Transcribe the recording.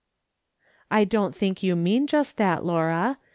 " I don't think you mean just that, Laura.